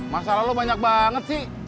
masalah lu banyak banget sih